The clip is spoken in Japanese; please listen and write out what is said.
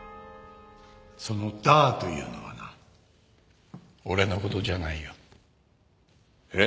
そのダーというのはな俺の事じゃないよ。えっ？